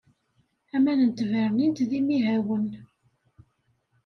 Aman n tbernint d imihawen.